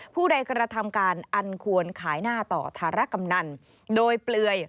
ผู้ใดกระทำการอันควรขายหน้าต่อธารกำนันโดยเปลือย